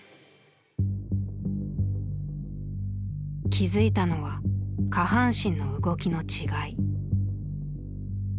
気付いたのは下半身の動きの違い。